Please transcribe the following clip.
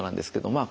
まあ